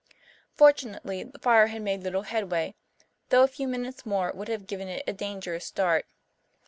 Fortunately the fire had made little headway, though a few minutes more would have given it a dangerous start.